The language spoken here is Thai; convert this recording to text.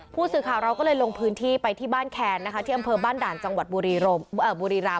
ผู้สื่อข่าวเราก็เลยลงพื้นที่ไปที่บ้านแคนนะคะที่อำเภอบ้านด่านจังหวัดบุรีรำ